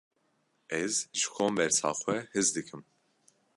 Ez ji kombersa xwe hez dikim.